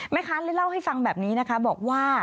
เลยเล่าให้ฟังแบบนี้นะคะบอกว่า